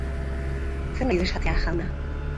Zer nahi du esatea, jauna?